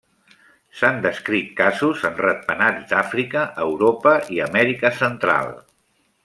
S'han descrit casos en ratpenats d'Àfrica, Europa i Amèrica Central.